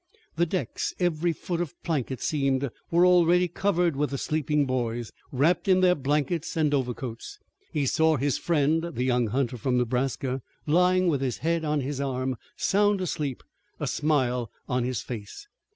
The decks, every foot of plank it seemed, were already covered with the sleeping boys, wrapped in their blankets and overcoats. He saw his friend, the young hunter from Nebraska, lying with his head on his arm, sound asleep, a smile on his face.